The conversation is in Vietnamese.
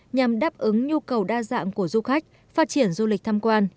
nhằm đáp ứng nhu cầu đa dạng của du khách phát triển du lịch tham quan